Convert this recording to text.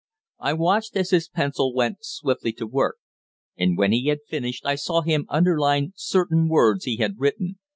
I watched as his pencil went swiftly to work, and when he had finished I saw him underline certain words he had written.